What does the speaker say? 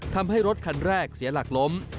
ทำให้รถคันแรกเสียหลักล้ม